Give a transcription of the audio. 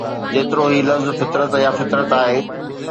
جيترو هي لفظ فطرت يا فطرت آهي